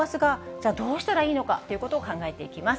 じゃ、どうしたらいいのかということを考えていきます。